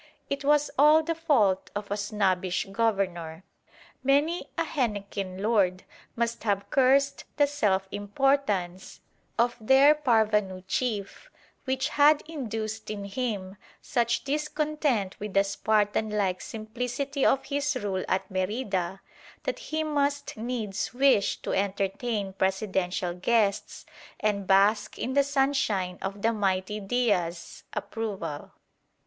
It was all the fault of a snobbish governor. Many a henequen lord must have cursed the self importance of their parvenu chief which had induced in him such discontent with the Spartan like simplicity of his rule at Merida that he must needs wish to entertain presidential guests and bask in the sunshine of the mighty Diaz's approval.